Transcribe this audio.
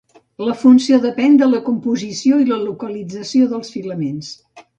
La funció depèn de la composició i la localització dels filaments.